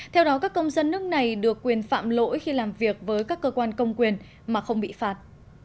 theo đó các công dân nước này được quyền phạm lỗi khi làm việc với các cơ quan công quyền mà không bị phạt